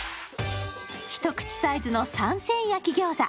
一口サイズの三鮮焼き餃子。